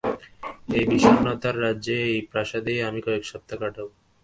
এই বিষন্নতার রাজ্যে, এই প্রাসাদেই আমি কয়েক সপ্তাহ কাটাব।